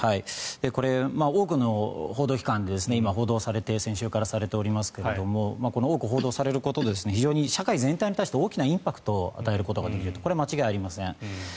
これは多くの報道機関で報道されて先週からされておりますが多く報道されることで非常に社会全体に対して大きなインパクトを与えることができるとこれは間違いありません。